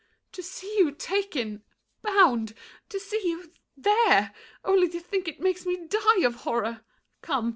MARION. To see you taken, bound! To see you—there! Only to think it makes me die of horror! Come!